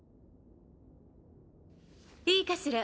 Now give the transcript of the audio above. いいかしら？